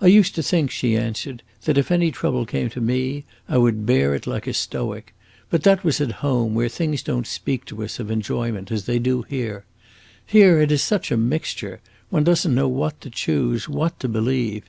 "I used to think," she answered, "that if any trouble came to me I would bear it like a stoic. But that was at home, where things don't speak to us of enjoyment as they do here. Here it is such a mixture; one does n't know what to choose, what to believe.